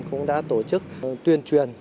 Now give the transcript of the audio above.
cũng đã tổ chức tuyên truyền